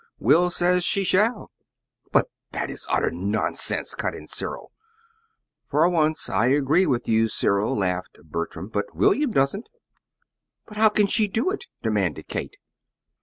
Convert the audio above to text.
"Will says she shall." "But that is utter nonsense," cut in Cyril. "For once I agree with you, Cyril," laughed Bertram; "but William doesn't." "But how can she do it?" demanded Kate.